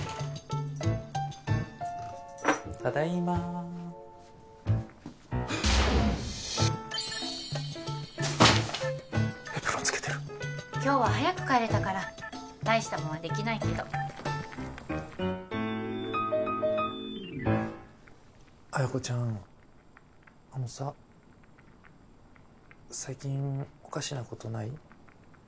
ただいまエプロンつけてる今日は早く帰れたから大したもんはできないけど彩子ちゃんあのさ最近おかしなことない？